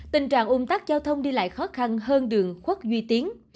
tình trạng ung tắc giao thông đi lại khó khăn hơn đường khuất duy tiến